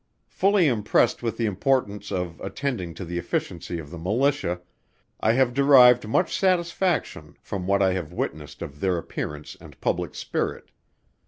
Fully impressed with the importance of attending to the efficiency of the Militia, I have derived much satisfaction from what I have witnessed of their appearance and public spirit.